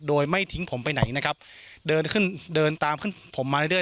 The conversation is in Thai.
โดยไม่ทิ้งผมไปไหนนะครับเดินขึ้นเดินตามขึ้นผมมาเรื่อย